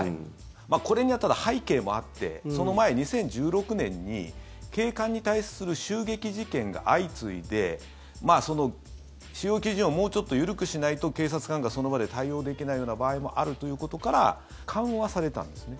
これには、ただ背景もあってその前、２０１６年に警官に対する襲撃事件が相次いで使用基準をもうちょっと緩くしないと警察官が、その場で対応できないような場合もあるということから緩和されたんですね。